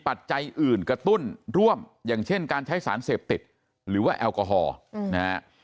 ปัจจัยอื่นกระตุ้นร่วมอย่างเช่นการใช้สารเสพติดหรือว่าแอลกอฮอล์นะฮะ